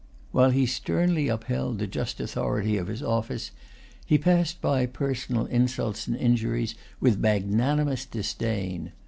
While he sternly upheld the just authority of his office, he passed by personal insults and injuries with magnanimous disdain.